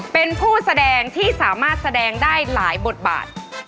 เป็นผู้แสดงที่สามารถแสดงได้หลายบทบาท